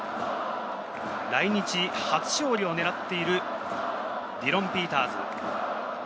来日初勝利を狙っているディロン・ピーターズ。